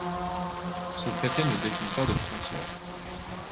Ce traité ne définit pas de frontières.